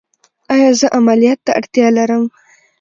ایا زه عملیات ته اړتیا لرم؟